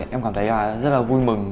em cảm thấy rất là vui mừng